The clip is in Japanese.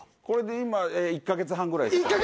これで今１か月半ぐらいです。